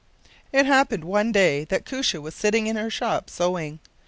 It happened one day that Koosje was sitting in her shop sewing.